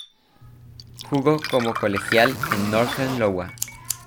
Jugo como colegial en Northern Iowa.